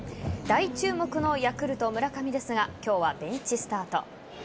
大注目のヤクルト・村上ですが今日はベンチスタート。